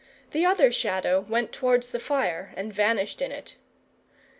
The other Shadow went towards the fire and vanished in it.